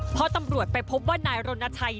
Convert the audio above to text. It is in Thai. พอตำรวจไปพบว่านายรณทัย